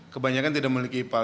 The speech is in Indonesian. kebanyakan tidak memiliki ipal